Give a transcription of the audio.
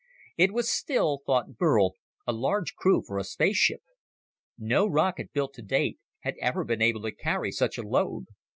It was still, thought Burl, a large crew for a spaceship. No rocket built to date had ever been able to carry such a load.